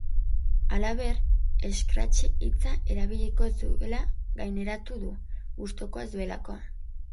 Halaber, escrache hitza erabiliko ez duela gaineratu du, gustukoa ez duelako.